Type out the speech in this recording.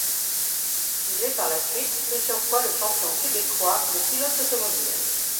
Il est par la suite plusieurs fois le champion québécois des pilotes automobiles.